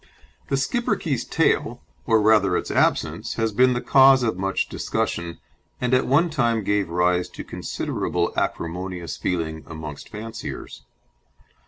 The Schipperke's tail, or rather its absence, has been the cause of much discussion, and at one time gave rise to considerable acrimonious feeling amongst fanciers.